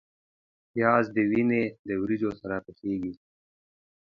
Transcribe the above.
پیاز د وینې د وریجو سره پخیږي